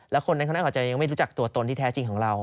แล้วคนนั้นเขาน่าจะยังไม่รู้จักตัวตนที่แท้จริงของเรา